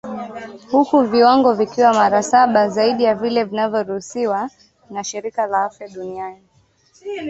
huku viwango vikiwa mara saba zaidi ya vile vinavyoruhusiwa na shirika la afya duniani